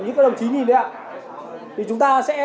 như các đồng chí nhìn đấy ạ